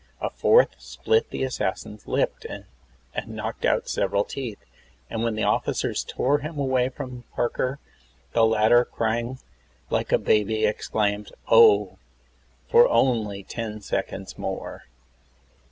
A fourth split the assassin's lip and knocked out several teeth, and when the officers tore him away from Parker the latter, crying like a baby, exclaimed, "Oh, for only ten seconds more